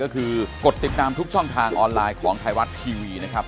ของไทยรัฐทีวีนะครับ